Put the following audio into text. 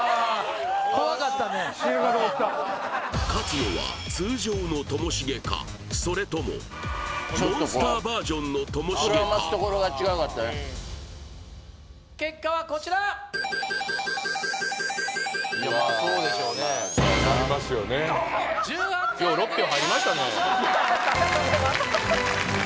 勝つのは通常のともしげかそれともモンスターバージョンのともしげか結果はこちら１８対６でエハラの勝利ありがとうございます